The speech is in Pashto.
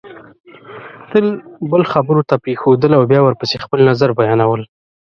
تل بل خبرو ته پرېښودل او بیا ورپسې خپل نظر بیانول